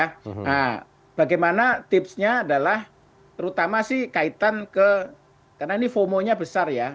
nah bagaimana tipsnya adalah terutama sih kaitan ke karena ini fomonya besar ya